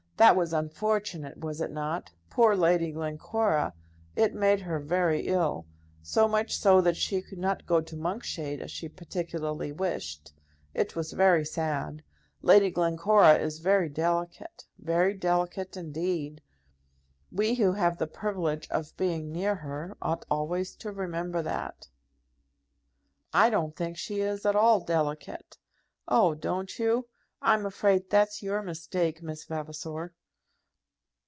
That was unfortunate, was it not? Poor Lady Glencora! it made her very ill; so much so, that she could not go to Monkshade, as she particularly wished. It was very sad. Lady Glencora is very delicate, very delicate, indeed. We, who have the privilege of being near her, ought always to remember that." "I don't think she is at all delicate." "Oh! don't you? I'm afraid that's your mistake, Miss Vavasor."